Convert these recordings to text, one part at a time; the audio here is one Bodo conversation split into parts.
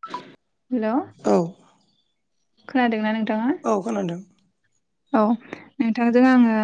[unintelligible] हेल' औ खोनादोंना नोंथाङा औ खोनादों औ नोंथांजों आङो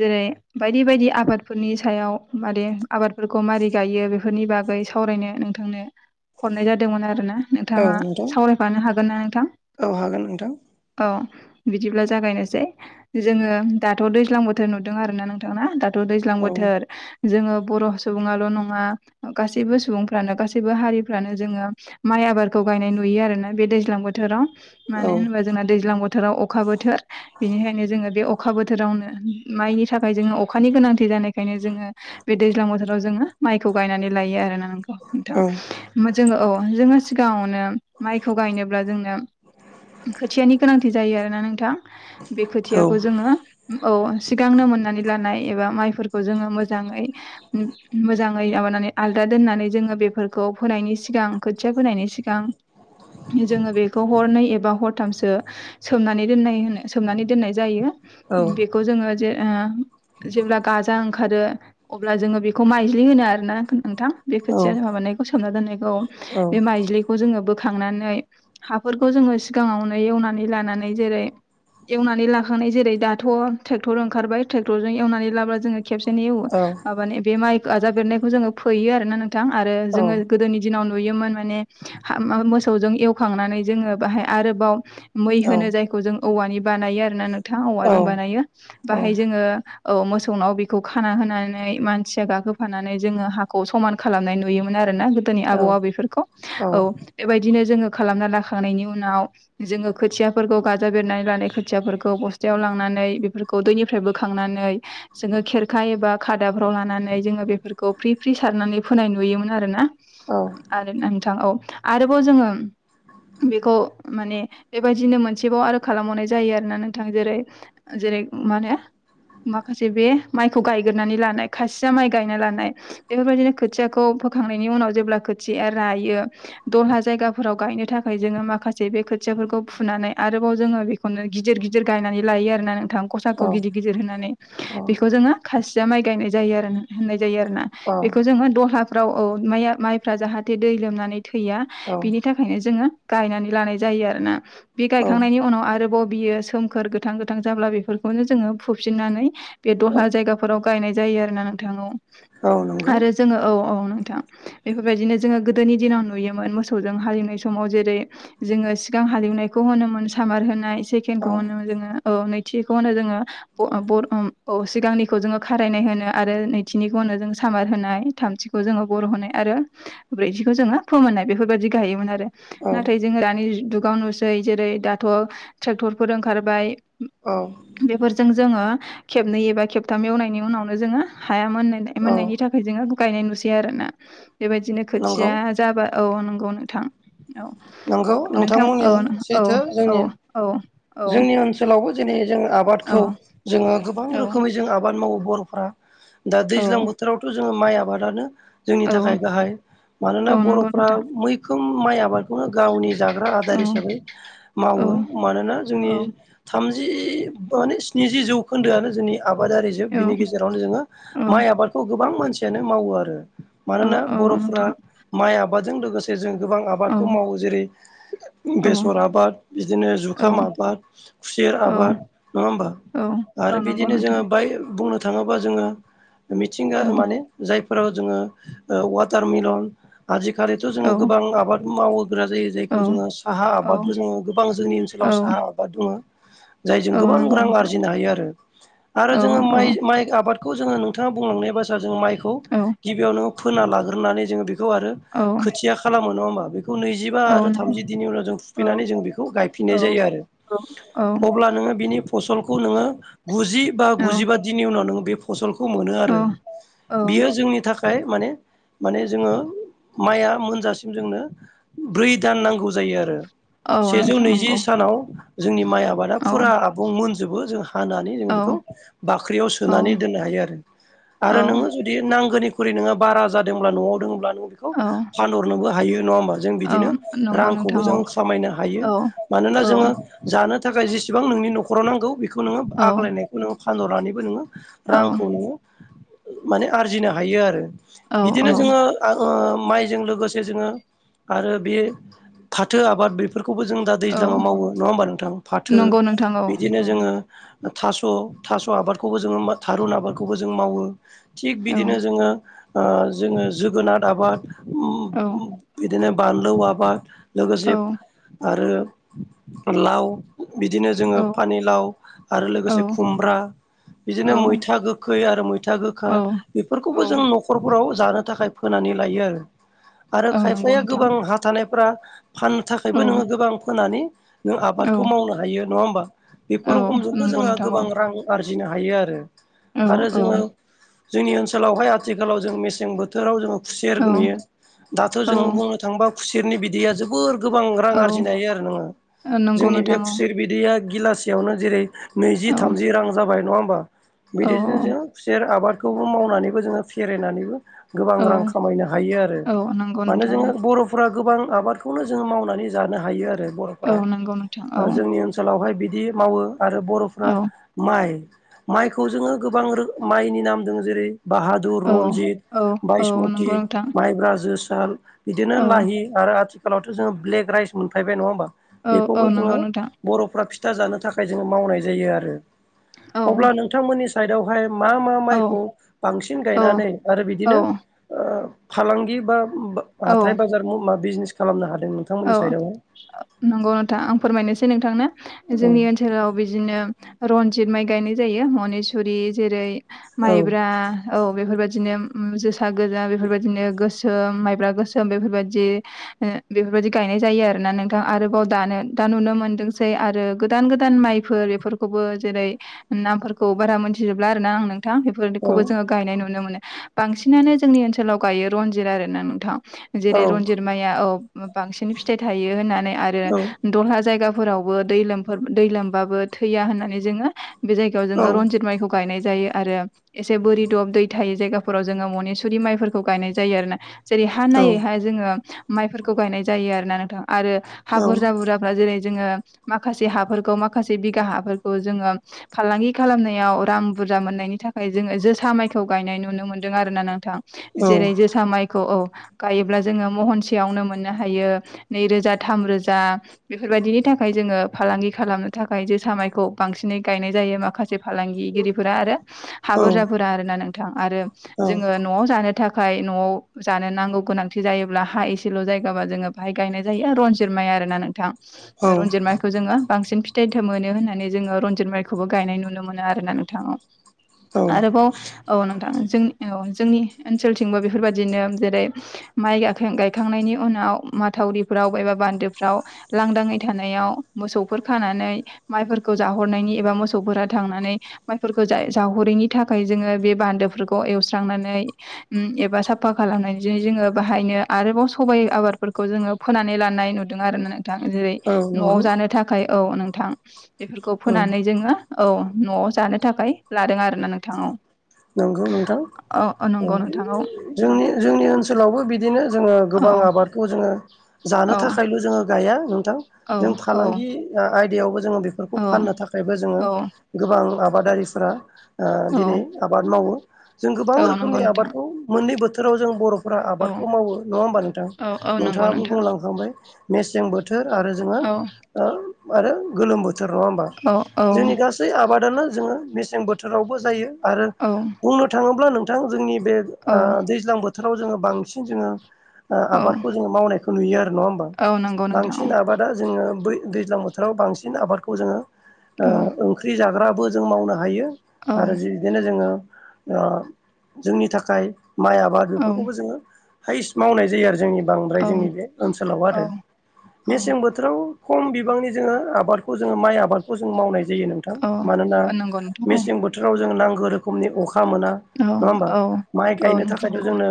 जेरै बायदि बायदि आबादफोरनि सायाव मारै आबादफोरखौ मारै गायो बे बेफोरनि बागै सावरायनो नोंथांनो हरनाय जादोंमोन आरो ना औ नोंथाङा नोंथां सावरायफानो हागोन ना नोंथां औ हागोन नोंथां औ बिदिब्ला जागायनोसै जोङो दाथ' दैज्लां बोथोर नुदों आरोना नोंथां ना ' दैज्लां औ बोथोर जोङो बर' सुबुङाल' नङा गासैबो सुबुंफ्रानो गासैबो हारिफ्रानो जोङो माइ आबादखौ गायनाय नुयो आरोना बे दैज्लां बोथोराव औ मानो होनोबा जोंना दैज्लां बोथोराव अखा बोथोर बेनिखायनो जोङो बे अखा बोथोरावनो माइनि थाखाय जोङो अखानि गोनांथि जानायखायनो जोङो बे दैज्लां बोथोराव जोङो माइखौ गायनानै लायो आरो ना अ औ नोंथां' जोङो औ जोङो सिगाङावनो माइखौ गायनोब्ला जोंनो खोथियानि गोनांथि जायो आरोना नोंथां बे औ खोथियाखौ जों जोङो औ सिगांनो मोननानै लानाय एबा माइफोरखौ जोङो मोजाङै मोजाङै माबानानै आलदा दोननानै जोङो बे बेखौ फोनायनि सिगां खोथिया फोनायनि सिगां जोङो बेखौ हरनै एबा हरथामसो सोमनानै दोननायो सोमनानै दोननाय जायो औ बेखौ जोङो जे जेब्ला गाजा ओंखारो अब्ला जोङो बेखौ माइज्लि होनो आरोना नोंथां बे औ खोथिया आरो माबानायखौ सोमना दोननायखौ औ बे माइज्लिखौ जोङो बो खांनानै हाफोरखौ जोङो सिगाङावनो एवनानै लानानै जेरै एवनानै लाखांनाय जेरै दाथ' ट्रेक्टर ओंखारबाय ट्रेक्टरजों एवनानै लाब्ला जोङो खेबसेनि औ माबानि बे माइ जाबेरनायखौ जोङो फैयो आरो ना नोंथां आरो जोङो गोदोनि दिनाव नुयोमोन माने मोसौजों एवखांनानै जोङो बाहाय आरोबाव मै होनो जायखौ जों औवानि बानायो आरो ना नोंथाङा औवा जों बानायो बाहाय जोङो औ मोसौनाव बेखौ खाना होनानै मानसिया गाखोफानानै जोङो हाखौ समान खालामनाय नुयोमोन आर ना दोनि आबौ आब बेफोरखौ औ बेबायदिनो जोङो खालामना लाखांनायनि उनाव जोङो खोथियाफोरखौ गाजा बेरनानै लानाय खोथियाफोरखौ बस्थायाव लांनानै बेफोरखौ खौ दैनिफ्राय बोखांनानै जोङो खेरखा एबा खादाफ्राव लानानै जोङो बेफोरखौ फ्रि फ्रि सारनानै फोनाय नुयोमोन आरोना औ आरो नोंथां औ आरोबाव जोङो बेखौ माने बेबायदिनो मोनसेबाव आरो खालामबावनाय जायो आरोना नोंथां जेरै जेरै मा होनो माखासे बे माइखौ गायगोरोनानै लानाय खासिया माइ गायना लानाय बेफोरबायदिनो खोथियाखौ फोखांनायनि उनाव जेब्ला खोथिया रायो दहा जायगाफोराव गायनो थाखाय जोङो माखासे बे खोथियाफोरखौ फुनानै आरोबाव जोङो बे नो गिदिर गिदिर गायनानै लायो आरो ना नोंथां औ खसाखौ गिदिर गिदिर होनानै औ बेखौ जोङो खासिया माइ गायनाय जायो आरो होननाय जायो आरो ना बेखौ जोङो दहाफ्राव औ माया- माइफ्रा जाहाथे दै लोमनानै थैया बिनि थाखाय नो जोङो गयनानै लानाय जायो आरोना बि गायखांनायनि उनाव आरोबाव बियो सोम फोर गोथां गोथां जाब्ला बेफोरखौनो जोंनो फुफिननानैदहा जायगा फोराव गायनाय जायो आरो ना नोंथां औ औ नंगौ आरो जोङो औ औ नोंथां बेफोरबायदिनो जोङो गोदोनि दिनाव नुयोमोन मोसौ जों हालेवनाय समाव जेरै जोङो सिगां हालेवनायखौ होनोमोन सामार होनाय सेकन्द खौ औ होनो जोङो औ नैथिखौ होनो जोङो [unintelligible] औ सिगांनिखौ जोङो खारायनाय होनो आरो नैथिनिखौनो जों सामार होनाय थामथि खौ जोंओ बर' होनाय आरो ब्रैथिखौ जोङो फोमोननाय बेफोरबायदि गायोमोन आरो औ नाथाय जोङो दानि जुगाव नुसै जेरै दाथ' ट्रेक्टरफोर ओंखारबाय औ बेफोरजों जोङो खेबनै एबा खेबथाम एवनायनि उनावनो जोङो हाया मोन औ मोननायनि थाखाय आ हाइजें आखौ गायनाय नुसै आर ना बेबायदिनो नंगौ खोथिया जाबा औ नंगौ नोंथां औ नंगौ नोंथां नोंथांमोननिया औ औ सैथो जोंनि औ औ जोंनि ओनसोलावबो जेरै जों औ आबादखौ जोङो गोबां रोखोमै जों आब आबाद मावो बर'फ्रा दा औ दैज्लां बोथोरावथ' जोङो माइ आबादानो जोंनि औ थाखाय गाहाय मानोना औ नंगौ बर'फ्रा नोंथां मैखोम माइ आबाद बेखौनो गावनि जाग्रा आदार औ हिसाबै औ मावो मानोना जोंनि औ थामजि माने स्निजि जौखोन्दोआनो जोंनि आबादारि जोब औ बिनि गेजेरावनो जोङो औ माइ आबादखौ गोबां मानसियानो मावो आरो औ मानोना औ बर'फ्रा नोंथां माइ आबादजों लोगोसे जों गोबां औ आबादखौ मावो जेरै औ बेसर आबाद बिदिनो औ जुखाम आब बाद खुसेर आबाद नङा होमबा औ आरो नंगौ बिदिनो नोंथां जोङो बाय बुंनो थाङोबा जोङो मिथिंगा औ माने जाय फोराव जोङो वाटार मिलन आजिखालिथ' औ जोङो गोबां आबाद मावोग्रा जायो औ जायखौ जोङो साहा औ आबादबो जोङो गोबां जोंनि ओनसोलाव औ साहा आबाद दङ जायजों औ गोबां नंगौ रां नोंथां आरजिनो हायो आरो आरो जोङो औ माइ माइ आबादखौ जोङो नोंथाङा बुंलांनाय बा सार जों माइखौ औ गिबियावनो फोना लाग्रोनानै जोङो बेखौ आरो औ खोथिया खालामो नङा होमबा बेखौ नैजिबा औ आरो नंगौ थामजि दिननि उनाव जों औ फुफैनानै जों बेखौ औ गायफिननाय जायो आरो औ औ अब्ला नोङो बिनि फसलखौ नोङो गुजि बा औ गुजिबा दिननि उनाव नोङो बे फसलखौ मोनो औ आरो औ बियो जोंनि थाखाय माने माने जोङो माइआ मोनजासिम जोंनो ब्रै दान नांगौ जायो आरो औ सेजौ नोंथां नैजि नंगौ सानाव जोंनि माइ आबादा औ फुरा आबुं मोनजोबो जों हानानै औ जों बेखौ बाख्रियाव औ सोनानै दोननो हायो आरो आरो नोङो औ जुदि नांगौनिख्रुइ नोङो बारा जादोंब्ला न'आव दङब्ला नों बेखौ औ फानहरनोबो हायो नङा होमबा। जों औ बिदिनो नंगौ रांखौबो नोंथां औ जों खामायनो हायो औ मानोना औ जोङो जानो थाखाय जेसेबां नोंनि न'खराव नांगौ बेखौ नोङो औ आग्लायनायखौ नोङो फानहरनानैबो नोङो औ रांखौ नोङो माने आरजिनो हायो आरो औ औ बिदिनो जोङो ओ माइजों लोगोसे जोङो आरो बे फाथो आबाद बेफोरखौबो जों दा औ दैज्लाङाव मावो नङा होमबा नोंथां फाथो नंगौ नोंथां औ बिदिनो औ जोङो थास' थास' आबादखौबो जोङो थारुन आबादखौबो जों मावो। थिग औ बिदिनो जोङो ओ जोङो जोगोनाद आबाद औ बिदिनो बानलु आबाद लोगोसे आरो लाव बिदिनो औ जोङो पानिलाव आरो औ लोगोसे खुमब्रा औ बिदिनो मैथा गोखै आरो मैथा गोखा औ बेफोरखौबो जों न'खर खरफोराव जानो थाखाय फोनानै लायो आरो आरो औ नंगौ खायफाया नोंथां गोबां हा थानायफ्रा फाननो औ थाखायबो नोङो गोबां फोनानै नों आबादखौ औ मावनो हायो नङा होमबा? बेफोर रखोमजोंबो नंगौ जोंहा नोंथां औ गोबां रां आरजिनो हायो आरो औ आरो औ जोङो जोंनि ओनसोलावहाय आथिखालाव जों मेसें बो बोथोराव जोङो खुसेर औ नुयो दाथ' जो बुंनो थांङोबा खुसेरनि बिदैया जोबोर गोबां रां औ आरजिनो हायो आरो नोङो। औ नंगौ जोंनि बे नोंथां औ खुसेर बिदैया गिलासेयावनो जेरै नैजि औ थामजि रां जाबाय नङा होमबा? औ बिदिजों जों खुसेर आबादखौबो मावनानैबो जोङो फेरेनानैबो गोबां औ रां खामायनो हायो आरो औ नंगौ मानो नोंथां औ जोङो बर' फोरा गोबां आबादखौनो जोङो मावनानै जानो हायो आरो औ बर'फोरा। नंगौ नोंथां औ जोंनि ओनसोलावहाय बिदि मावो आरो बर'फ्रा औ माइ माइखौ जोङो गोबां माइनि नाम दोङो जेरै बाहा दुर, औ रनजित, औ औ बायसमति, नंगौ नोंथां माइब्रा, जोसार बिदिनो औ लाहि आरो आथिखालावथ' जोङो ब्लेक राइस मोनफायबाय नङा होमबा औ औ बेखौबो जोङो नंगौ नोंथां बर'फ्रा फिथा जानो थाखाय जोङो मावनाय जायो आरो औ अब्ला नोंथांमोननि साइडआवहाय मा मा औ माइखौ बांसिन औ गायनानै आरो औ बिदिनो ओ फालांगि बा औ हाथाय बाजार मा बिजिनेस खालामनो हादों नों औ नंगौ नोंथां आं फोरमायनोसै नोंथांनो औ जोंनि ओनसो जोंनाव बिदिनो रनजित माइ गायनाय जायो मनिसुरि जेरै माइब्रा औ बेफोरबायदिनो उम जोसा गोजा बेफोरबायदिनो गोसोम माइब्रा गोसोम बेफोरबायदि ओ बेफोरबायदि गायनाय जायो आरोना नोंथां आरोबाव दानो दा नुनो मोनदोंसै आरो गोदान गोदान माइफोर बेफोर खौबो जेरै नामफोरखौ बारा मोनथिजोबला आरोना आं नोंथां औ बेफोरखौबो औ जोङो गायनाय नुनो मोनो बांसिनानो जोंनि ओनसोलाव गायो रनजित आरो ना नोंथां। औ जेरै रन्जित माइआ औ बांसिन फिथाइ थायो होननानै आरो दह्ला जायगाफोरावबो दै लोम दै लोमबाबो थैया होननानै जोङो बे जायगायाव औ जोङो रन्जित माइखौ गायनाय जायो आरो एसे बोरि दब दै थायै जायगाफोराव जोङो मनेसुरि माइफोरखौ गायनाय जायो आरो ना? जेरै हा औ नायै हा जोङो माइफोरखौ गायनाय जायो आरो ना नोंथां। आरो हा औ बुरजा बुरजाफ्रा जेरै जोङो माखासे हाफोरखौ माखासे बिगा हाफोरखौ जोङो फालांगि खालामनायाव रां बुरजा मोननायनि थाखाय जोङो जोसा माइखौ गायनाय नुनो मोनदों आरोना नोंथां। औ जेरै जोसा माइखौ औ गायोब्ला जोङो महनसेयावनो मोन नो हायो नै रोजा थाम रोजा। बेफोरबायदिनि थाखाय जोङो फालांगि खालामनो थाखाय जे सामायखौ बांसिनै गायनाय जायो माखासे फालांगिरिफोरा आरो हा बुरजाफोरा आरोना नोंथां आरो जोङो औ न'आव जानो थाखाय न'आव जानो नांगौ गोनांथि जायोब्ला हा एसेल' जायो। जों बाहाय गायनाय जायो रनजित माइ आरो ना नोंथां रनजित माइ खौ जोङो बांसिन फिथाइ मोनो होन्नानै जोङो रनजित माइखौबो गायनाय नुनो मोनो आरोना नोंथां औ आरो बाव औ नोंथां जोंनि औ जोंनि ओनसोलथिंबो बेफोरबायदिनो जेरै माइ गाख गायखांनायनि उनाव माथावरिफोराव एबा बान्दोफ्राव लांदाङै थानायाव मोसौफोर खानानै माइफोरखौ जाहरनायनि एबा मोसौफोरा थांनानै माइफोरखौ जावहरैनि थाखाय जोङो बे बान्दोफोरखौ एवस्रांनानै एबा साफा खालामनायजों जोङो बाहायनो आरोबाव सबाइ आबादफोरखौ जोङो फोनानै लानाय नुदों आरोना नोंथां जेरै न'आव नंगौ जानो थाखाय थाखाय औ नोंथां बेफोरखौ औ फोनानै जोङो औ न'आव जानो थाखाय लादों आरो ना नोंथां नंगौ नोंथां औ जोंनि जोंनि ओनसोलावबो बिदिनो जोङो औ गोबां आबादखौ जोङो जानो औ थाखायल' जोङो गया नोंथां औ जों फालांगि आयदायावबो जोङो बेफोरखौ औ फाननो थाखायबो जोङो औ गोबां आबादारिफोरा औ दिनै आबाद मावो जों गोबां औ नंगौ रोखोमनि नोंथां आबादखौ मोननै बोथोराव जों बर'फोरा औ आबादखौ मावो नङा होमबा नोंथां औ औ नंगौ नोंथाङाबो नोंथां बुंलांखांबाय मेसें बोथोर आरो जोङो औ आरो गोलोम बोथोर नङा होमबा औ औ जोंनि गासैबो गासै आबादानो जोङो मेसें बोथोरावबो जायो आरो औ बुंनो थाङोब्ला नोंथां जोंनि बे औ दैज्लां बोथोराव जोङो बांसिन जोङो औ आबादखौ जोङो मावनायखौ नुयो आरो नङा होमबा औ नंगौ नोंथां बांसिन आबादा जोङो बै दैज्लां बोथोराव बांसिन आबादखौ जोङो औ ओंख्रि जाग्राबो जों मावनो हायो औ आरो जि बिदिनो जोङो जोंनि थाखाय माइ आबाद औ बेफोरखौबो जोङो हाइस्ट मावनाय जायो आरो जोंनि बांद्राय जोंनि बे ओनसोलाव औ आरो औ मेसें बोथ खम बिबांनि जोङो आबादखौ जोङो माइ आबादखौ जोंङो मावनाय जायो नों औ औ मानोना नंगौ नोंथां औ मेसें बोथोराव जों नांगौ रोखोमनि अखा मोना। औ नङा होमबा औ माइ औ गायनो नोंथां थाखायथ' नंगौ जोंनो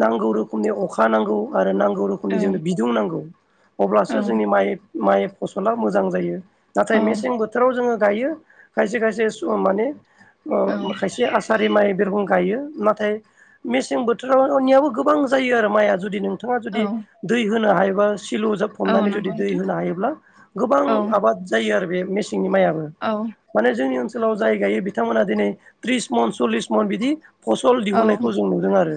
नांगौ रोखोमनि अखा नांगौ आरो नांगौ रोखोमनि औ जोंनो बिदुं नांगौ औ अब्लासो जोंनि माइ माइ फसला मोजां जायो औ नाथाय मेसें बोथोर बोथोराव जोङो गायो खायसे खायसे माने खायसे आसारि माइ बिरगं गायो नाथाय मेसें बोथोरावनियाबो गोबां जायो आरो माइआ जुदि नोंथाङा औ जुदि औ दै होनो हायोबा सिलु औ नंगौ जाबफबनानै जुदि दै नोंथां होनो हायोब्ला गोबां औ आबाद जायो आरो बे मेसेंनि माइ आबो औ माने जोंनि ओनसोलाव जाय गायो बिथांमोनहा दिनै त्रिस मन सल्लिस मन बिदि फसल औ दिहुननायखौ जों नुदों आरो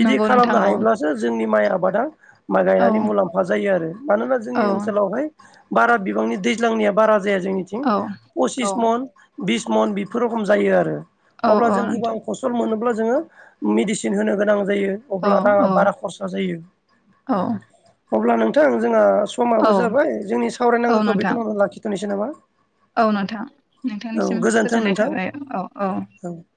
बिदि नंगौ नोंथां खालामनो औ हायोब्लासो जोंनि माइ आबादा माइ औ गायनानै मुलाम्फा जायो आरो मानोना औ जोंनि ओनसोलावहाय बारा बिबांनि दैज्लांनिया बारा जाया जोंनिथिं औ पसिस मन बिस मन बेफोराव खम जायो आरो औ अब्ला औ जों नोंथां गोबां फसल मोनोब्ला जोङो मेडिसिन होनो गोनां जायो। औ अब्ला राङा बारा खरसा जायो। औ अब्ला नोंथां जोंहा औ समाबो जाबाय जोंनि औ सावरायनांगौखौ नोंथां बेखिनिआवनो लाखिथ'नोसै नामा औ नोंथां औ नोंथांनिसिम गोजोन्थों गोजोननाय नोंथां थाबाय औ औ औ